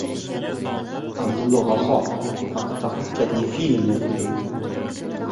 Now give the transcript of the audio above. Abdulla Qahhor haqida hujjatli film yaratildi